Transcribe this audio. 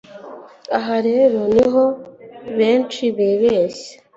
Aha rero ni ho benshi bibeshya